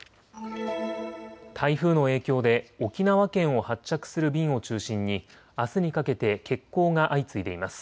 台風の影響で沖縄県を発着する便を中心にあすにかけて欠航が相次いでいます。